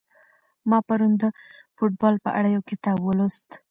ما پرون د فوټبال په اړه یو کتاب ولوست.